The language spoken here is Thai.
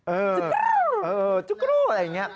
จุ๊กรูอะไรอย่างนี้